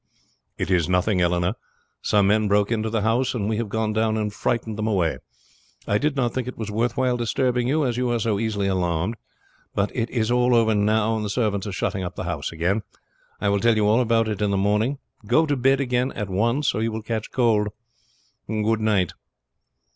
"It is nothing, Eleanor. Some men broke into the house, and we have gone down and frightened them away. I did not think it was worth while disturbing you, as you are so easily alarmed; but it is all over now, and the servants are shutting up the house again. I will tell you all about it in the morning. Go to bed again at once, or you will catch cold. Good night."